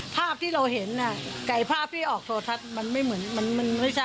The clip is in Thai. ภาพที่เราเห็นไก่ภาพที่ออกโทรทัศน์มันไม่เหมือนมันไม่ใช่